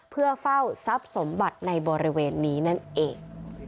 เพื่อเฝ้าทรัพย์สมบัติในบริเวณนี้นั่นเอง